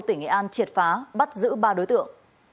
tỉnh nghệ an triệt phá bắt giữ ba đối tượng